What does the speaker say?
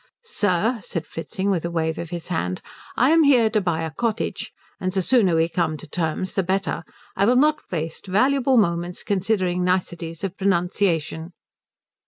"Sir," said Fritzing, with a wave of his hand, "I am here to buy a cottage, and the sooner we come to terms the better. I will not waste valuable moments considering niceties of pronunciation."